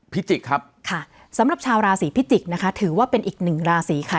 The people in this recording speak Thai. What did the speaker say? พิจิกครับค่ะสำหรับชาวราศีพิจิกษ์นะคะถือว่าเป็นอีกหนึ่งราศีค่ะ